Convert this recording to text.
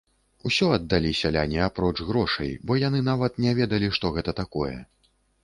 Усё аддалі сяляне, апроч грошай, бо яны нават не ведалі, што гэта такое.